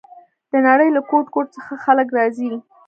د نړۍ له ګوټ ګوټ څخه خلک راځي.